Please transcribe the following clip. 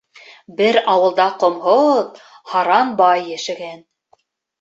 Бер ауылда ҡомһоҙ, һаран бай йәшәгән.